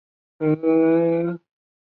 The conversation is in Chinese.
贾让是西汉著名水利家。